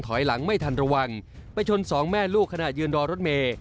ถอยหลังไม่ทันระวังไปชนสองแม่ลูกขณะยืนรอรถเมย์